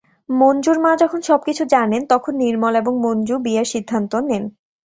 মঞ্জুর মা যখন সবকিছু জানেন তখন নির্মল এবং মঞ্জু বিয়ের সিদ্ধান্ত নেন।